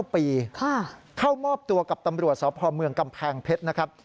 ๙ปีเข้ามอบตัวกับตำรวจสพเมืองกำแพงเพชรนะครับ